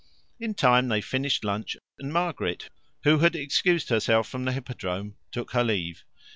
In time they finished lunch, and Margaret, who had excused herself from the Hippodrome, took her leave.